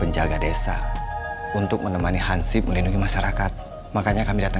jarang kesini sekarang ibu ya